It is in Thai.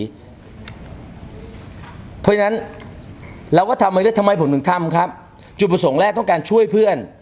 เพราะฉะนั้นเราก็ทำไว้แล้วทำไมผมถึงทำครับจุดประสงค์แรกต้องการช่วยเพื่อน